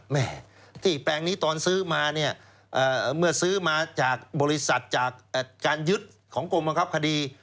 แม่ที่แปลงนี้ตอนซื้อมาเนี่ยเมื่อซื้อมาจากบริษัทจากการยึดของกรมบังคับคดี